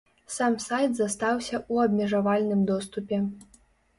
Сам сайт застаўся ў абмежавальным доступе.